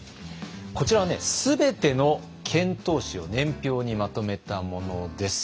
こちらは全ての遣唐使を年表にまとめたものです。